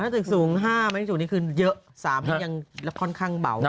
ถ้าตึกสูง๕ไม่สูงนี่คือเยอะ๓ยังค่อนข้างเบา